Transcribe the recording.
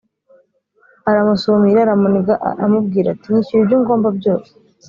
aramusumira aramuniga amubwira ati nyishyura ibyo ungomba byose